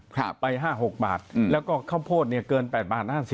ไป๕๖บาทแล้วก็ข้าวโพดเกิน๘บาท๕๐บาท